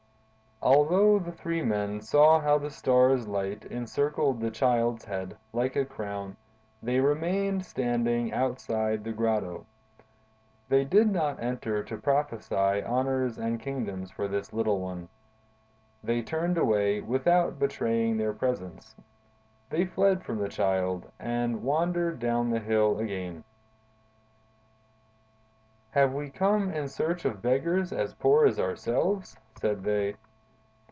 "Although the three men saw how the Star's light encircled the Child's head, like a crown, they remained standing outside the grotto. They did not enter to prophesy honors and kingdoms for this little One. They turned away without betraying their presence. They fled from the Child, and wandered down the hill again. "'Have we come in search of beggars as poor as ourselves?' said they.